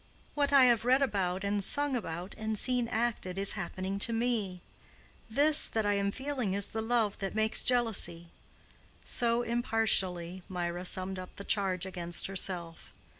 "What I have read about and sung about and seen acted, is happening to me—this that I am feeling is the love that makes jealousy;" so impartially Mirah summed up the charge against herself.